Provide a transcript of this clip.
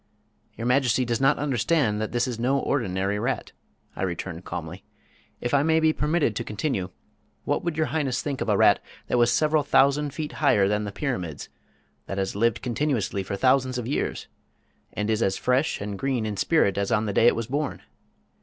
"Your Majesty does not understand that this is no ordinary rat," I returned calmly. "If I may be permitted to continue, what would Your Highness think of a rat that was several thousand feet higher than the pyramids, that has lived continuously for thousands of years, and is as fresh and green in spirit as on the day it was born?